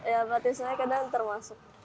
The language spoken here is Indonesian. ya artisnya kadang termasuk